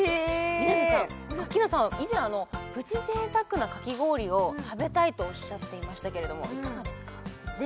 南さんアッキーナさんは以前プチ贅沢なかき氷を食べたいとおっしゃっていましたけれどもいかがですか？